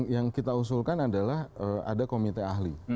yang kita usulkan adalah ada komite ahli